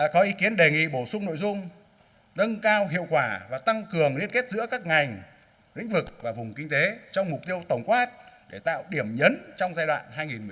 có ý kiến đề nghị bổ sung nội dung nâng cao hiệu quả và tăng cường liên kết giữa các ngành lĩnh vực và vùng kinh tế trong mục tiêu tổng quát để tạo điểm nhấn trong giai đoạn hai nghìn hai mươi một hai nghìn hai mươi năm